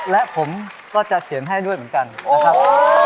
และผมก็จะเขียนให้ด้วยเหมือนกันนะครับ